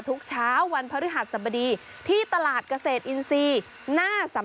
ทุกเช้าวันพฤหัสสบดีที่ตลาดเกษตรอินทรีย์